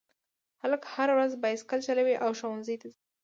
هلک هره ورځ بایسکل چلوي او ښوونځي ته ځي